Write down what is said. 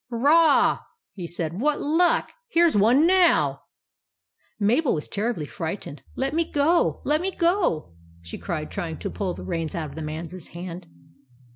" Hurray !" he said. " What luck ! Here 's one now !" Mabel was terribly frightened. " Let me go ! Let me go !" she cried, try ing to pull the reins out of the man's hand.